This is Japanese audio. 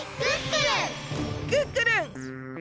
クックルン！